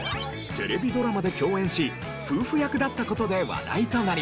テレビドラマで共演し夫婦役だった事で話題となりました。